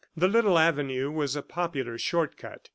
The little avenue was a popular short cut.